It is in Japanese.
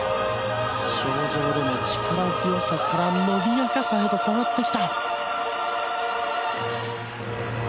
氷上でも力強さから伸びやかさへと変わってきた。